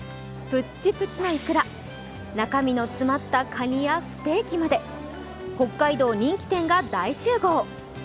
ぷっちぷちのいくら、中身の詰まったかにやステーキまで北海道人気店が大集合。